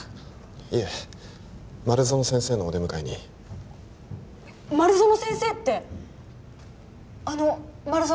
いえ丸園先生のお出迎えに丸園先生ってあの丸園